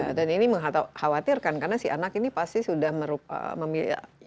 ya dan ini mengkhawatirkan karena si anak ini pasti sudah merupakan